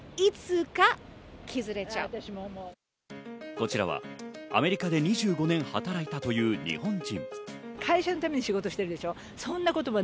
こちらはアメリカで２５年働いたという日本人。